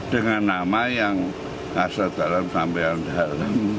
dengan nama yang kasatan sambiandar